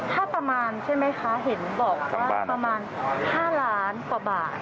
ถ้าประมาณใช่ไหมคะเห็นบอกว่าประมาณ๕ล้านกว่าบาท